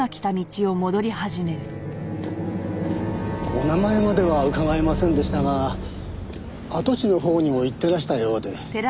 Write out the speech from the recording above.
お名前までは伺いませんでしたが跡地のほうにも行ってらしたようで。